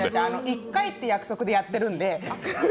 １回という約束でやってるんで。